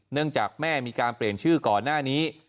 เนื่องจากแม่มีการเปลี่ยนชื่อก่อนหน้านี้